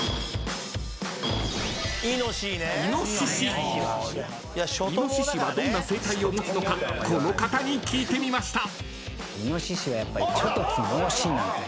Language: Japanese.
［イノシシはどんな生態を持つのかこの方に聞いてみました］